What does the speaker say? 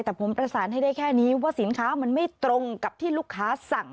แต่ผมประสานให้ได้แค่นี้ว่าสินค้ามันไม่ตรงกับที่ลูกค้าสั่ง